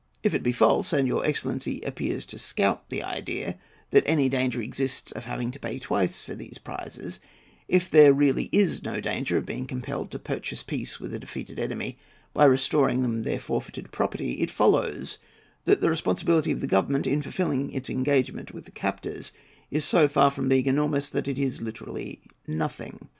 If it be false—and your excellency appears to scout the idea—that any danger exists of having to pay twice for these prizes; if there really is no danger of being compelled to purchase peace with a defeated enemy by restoring them their forfeited property—it follows that the responsibility of the Government in fulfilling its engagement with the captors is so far from being enormous, that it is literally nothing.